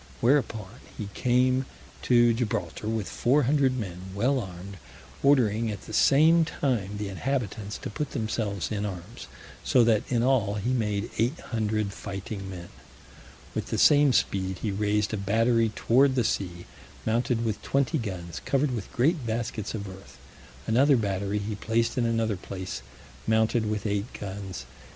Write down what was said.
Whereupon he came to Gibraltar with four hundred men well armed, ordering at the same time the inhabitants to put themselves in arms, so that in all he made eight hundred fighting men. With the same speed he raised a battery toward the sea, mounted with twenty guns, covered with great baskets of earth: another battery he placed in another place, mounted with eight guns.